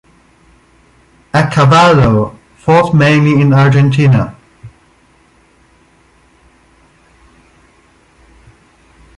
Accavallo fought mainly in Argentina.